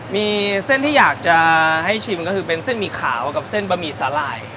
มีเส้นที่อยากจะให้ชิมก็คือเป็นเส้นหมี่ขาวกับเส้นบะหมี่สาหร่าย